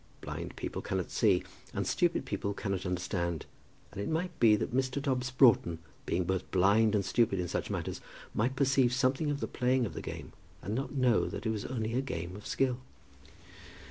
Blind people cannot see and stupid people cannot understand, and it might be that Mr. Dobbs Broughton, being both blind and stupid in such matters, might perceive something of the playing of the game and not know that it was only a game of skill.